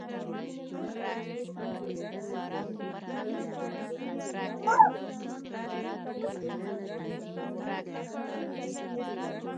زه په دې هم خوشحاله یم چې ستا عملیات به ونه وینم.